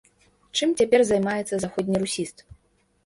Чым цяпер займаецца заходнерусіст?